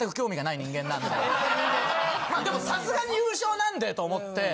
でもさすがに優勝なんでと思って。